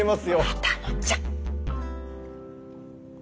秦野ちゃん！